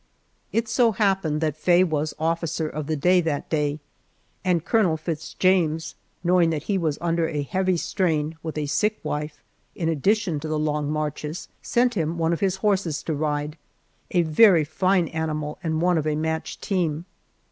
It so happened that Faye was officer of the day that day, and Colonel Fitz James, knowing that he was under a heavy strain with a sick wife in addition to the long marches, sent him one of his horses to ride a very fine animal and one of a matched team.